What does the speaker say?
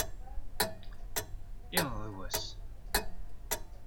iḍ d wass